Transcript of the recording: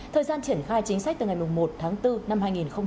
thời gian triển khai chính sách từ ngày một tháng bốn năm hai nghìn hai mươi